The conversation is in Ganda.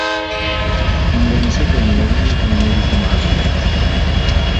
Mbu Museveni yalina ennyonyi eriko magineeti.